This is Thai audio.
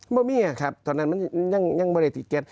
เมื่อมี่ครับตอนนั้นมันยังไม่ได้ติดเก็ต